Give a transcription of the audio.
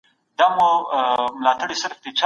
استازي به تل د خپلو موکلينو له ستونزو سره مبارزه کوي.